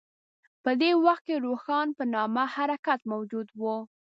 په دې وخت کې روښان په نامه حرکت موجود و.